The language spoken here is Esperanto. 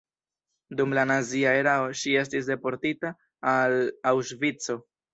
Dum la nazia erao ŝi estis deportita al Aŭŝvico.